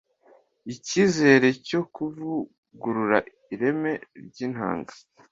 icyizere cyo kuvugurura ireme ry'intanga